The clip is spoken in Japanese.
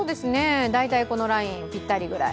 大体このラインぴったりくらい。